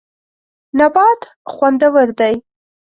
نبات خوندور دی.